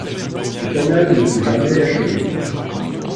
Ce canal ne fut jamais achevé.